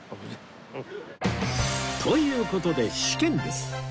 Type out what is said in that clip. という事で試験です！